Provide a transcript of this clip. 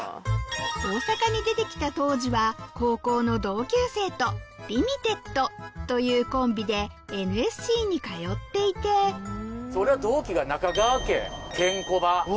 大阪に出て来た当時は高校の同級生とリミテッドというコンビでＮＳＣに通っていて俺は同期が。